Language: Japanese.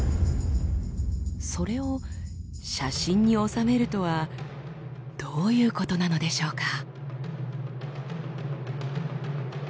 それを写真に収めるとはどういうことなのでしょうか？